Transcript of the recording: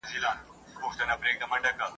نن سبا چي څوک د ژوند پر لار ځي پلي !.